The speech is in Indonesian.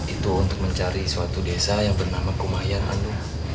itu untuk mencari suatu desa yang bernama kumayan anu